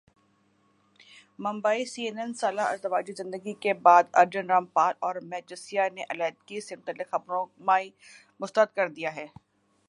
Mumbai CNN سالہ ازدواجی زندگی کے بعد ارجن رامپال اور مہر جسیہ نے علیحدگی سے متعلق خبروں کع مسترد کردیا ہے